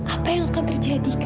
apa yang akan terjadi